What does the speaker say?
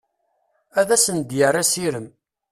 Ad asen-d-yerr asirem.